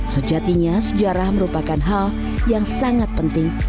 sejatinya sejarah merupakan hal yang sangat penting